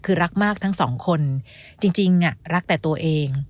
คือรักมากทั้งสองคนจริงรักแต่ตัวเอง